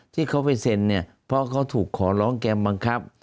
ที่เขาไปเซ็นเนี่ยเพราะเขาถูกขอร้องแกบังคับ